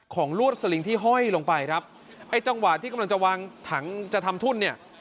ลวดสลิงที่ห้อยลงไปครับไอ้จังหวะที่กำลังจะวางถังจะทำทุ่นเนี่ย